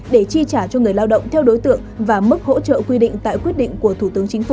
để chi trả cho người lao động theo đối tượng và mức hỗ trợ quy định tại quyết định của thủ tướng chính phủ